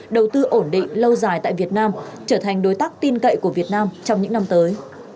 đầu tư ổn định lâu dài tại việt nam trở thành đối tác tin cậy của việt nam trong những năm tới